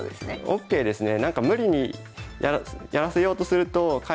ＯＫですね。